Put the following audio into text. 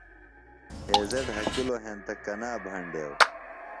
ہیضہ ڈھکِلوۡ ہینتہ کنا بھینڈیوۡ؟